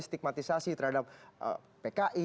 stigmatisasi terhadap pki